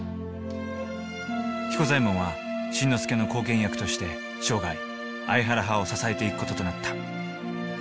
彦左衛門は慎之介の後見役として生涯相原派を支えていく事となった。